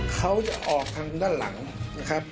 เขาจะออกทางด้านหลังนะครับ